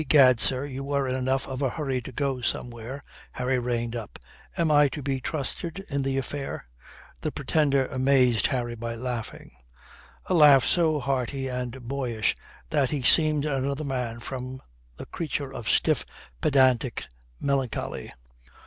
"Egad, sir, you were in enough of a hurry to go somewhere." Harry reined up. "Am I to be trusted in the affair?" The Pretender amazed Harry by laughing a laugh so hearty and boyish that he seemed another man from the creature of stiff, pedantic melancholy.